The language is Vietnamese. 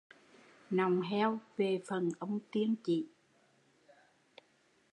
Nọng heo về phần ông Tiên Chỉ